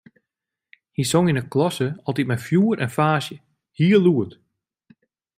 Hy song yn 'e klasse altyd mei fjoer en faasje, heel lûd.